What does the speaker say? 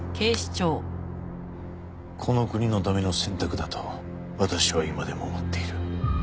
この国のための選択だと私は今でも思っている。